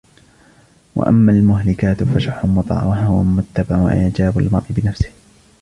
وَأَمَّا الْمُهْلِكَاتُ فَشُحٌّ مُطَاعٌ ، وَهَوًى مُتَّبَعٌ ، وَإِعْجَابُ الْمَرْءِ بِنَفْسِهِ